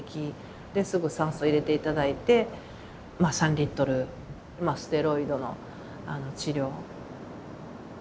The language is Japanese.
ですぐ酸素入れて頂いて３リットルステロイドの治療。